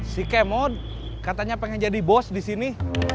si kemot katanya pengen jadi bos disini